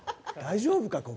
大丈夫か？